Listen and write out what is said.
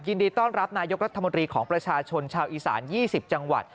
ยินดีต้อนรับนายกรัฐมนตรีของประชาชนชาวอีสาน๒๐จังหวัด